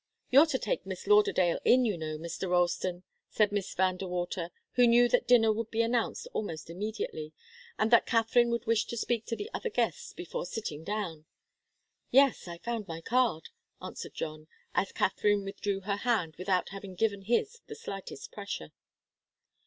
"You're to take Miss Lauderdale in, you know, Mr. Ralston," said Miss Van De Water, who knew that dinner would be announced almost immediately, and that Katharine would wish to speak to the other guests before sitting down. "Yes I found my card," answered John, as Katharine withdrew her hand without having given his the slightest pressure.